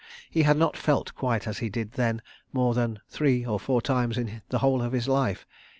He had not felt quite as he did then more than three or four times in the whole of his life.